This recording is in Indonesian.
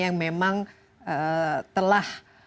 yang memang telah